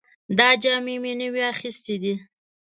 دا جامې مې نوې اخیستې دي